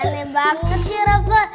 aneh banget sih rafa